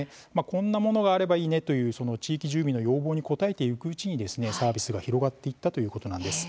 こんなものがあればいいねという地域住民の要望に応えていくうちにサービスが広がっていったということなんです。